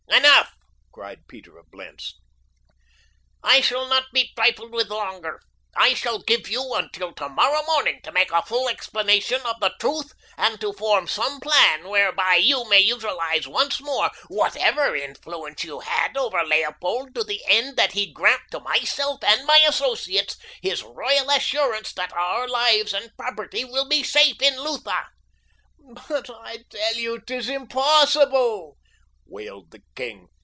"Enough!" cried Peter of Blentz. "I shall not be trifled with longer. I shall give you until tomorrow morning to make a full explanation of the truth and to form some plan whereby you may utilize once more whatever influence you had over Leopold to the end that he grant to myself and my associates his royal assurance that our lives and property will be safe in Lutha." "But I tell you it is impossible," wailed the king.